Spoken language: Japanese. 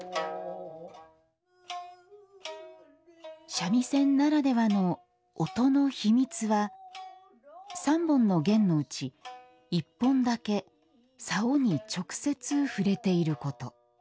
三味線ならではの音の秘密は３本の絃のうち１本だけ棹に直接触れていること。